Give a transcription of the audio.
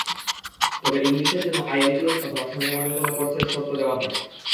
তবে ইংলিশের জন্য আইইএলটিএস অথবা সমমানের কোনো কোর্সের শর্ত দেওয়া থাকে।